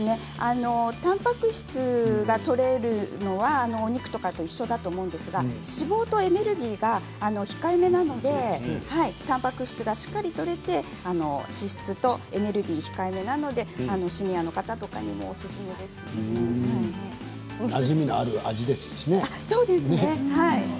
たんぱく質がとれるのはお肉とかと一緒だと思うんですけど脂肪とエネルギーが控えめなのでたんぱく質が、しっかりとれて脂質とエネルギーが控えめなのでなじみのある味ですしね。